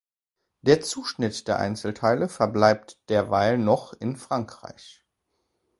Der Zuschnitt der Einzelteile verbleibt derweil noch in Frankreich.